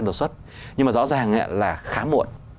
đột xuất nhưng mà rõ ràng là khá muộn